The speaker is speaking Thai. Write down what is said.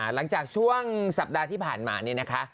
หลังจากช่วงสัปดาห์ที่ผ่านมานี่นะคะ